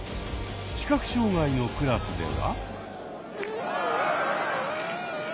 視覚障害のクラスでは。